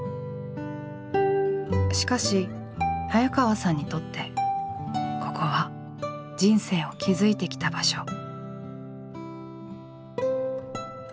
しかし早川さんにとってここは人生を築いてきた場所。